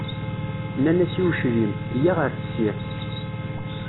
Nnan-as i uclim: yya ar tessirt.